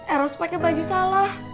eros pakai baju salah